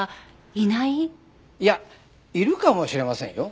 いやいるかもしれませんよ。